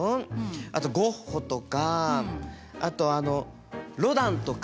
あとゴッホとかあとあのロダンとか。